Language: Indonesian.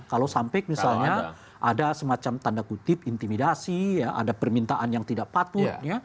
kalau sampai misalnya ada semacam tanda kutip intimidasi ada permintaan yang tidak patut